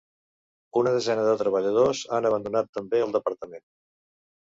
Una desena de treballadors han abandonat també el departament.